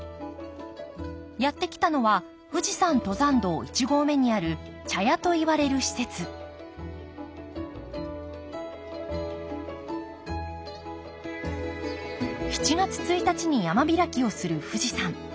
やって来たのは富士山登山道一合目にある茶屋といわれる施設７月１日に山開きをする富士山。